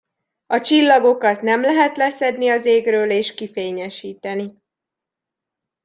A csillagokat nem lehet leszedni az égről és kifényesíteni!